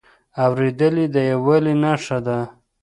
اورېدل د یووالي نښه ده.